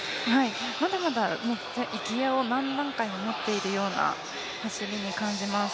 まだまだギアを何段階も持っているように感じます。